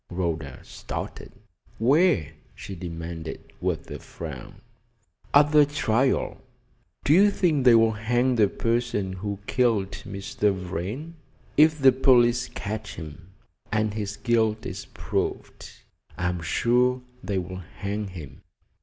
Rhoda started. "Where?" she demanded, with a frown. "At the trial." "Do you think they'll hang the person who killed Mr. Vrain?" "If the police catch him, and his guilt is proved, I am sure they will hang him."